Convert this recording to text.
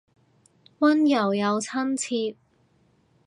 溫柔又親切